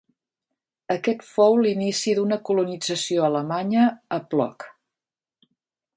Aquest fou l'inici d'una colonització alemanya a Płock.